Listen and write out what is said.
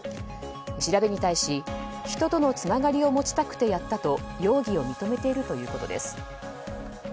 調べに対し、人とのつながりを持ちたくてやったと容疑を認めているということです。